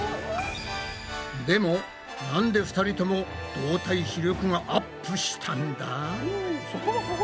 でもなんで２人とも動体視力がアップしたんだ？